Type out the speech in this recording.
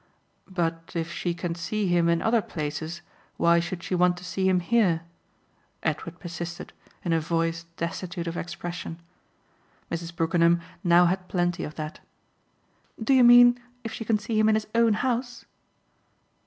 "But if she can see him in other places why should she want to see him here?" Edward persisted in a voice destitute of expression. Mrs. Brookenham now had plenty of that. "Do you mean if she can see him in his own house?"